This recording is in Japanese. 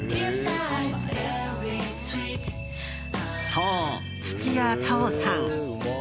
そう、土屋太鳳さん。